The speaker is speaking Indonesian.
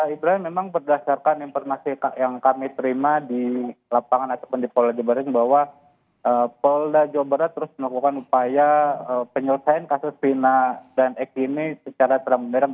ibra memang berdasarkan informasi yang kami terima di lapangan ataupun di polda jawa barat bahwa polda jawa barat terus melakukan upaya penyelesaian kasus pina dan x ini secara terang beneran